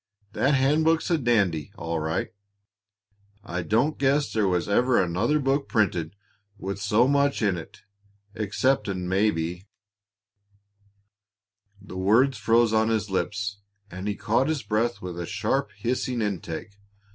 That handbook's a dandy, all right. I don't guess there was ever another book printed with so much in it, exceptin', maybe " The words froze on his lips, and he caught his breath with a sharp, hissing intake.